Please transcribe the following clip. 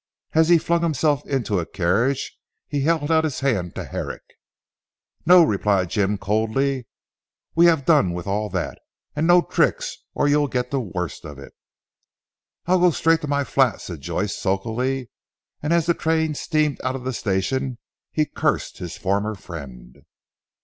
As he flung himself into a carriage he held out his hand to Herrick. "No," replied Jim coldly, "we have done with all that. And no tricks, or you'll get the worst of it." "I'll go straight to my flat," said Joyce sulkily, and as the train steamed out of the station he cursed his former friend.